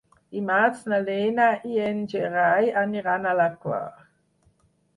Dimarts na Lena i en Gerai aniran a la Quar.